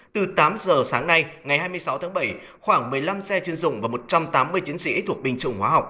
từ tám giờ sáng nay ngày hai mươi sáu tháng bảy khoảng một mươi năm xe chuyên dụng và một trăm tám mươi chiến sĩ thuộc binh chủng hóa học